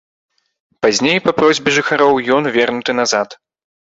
Пазней па просьбе жыхароў ён вернуты назад.